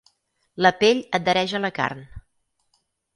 La pell adhereix a la carn.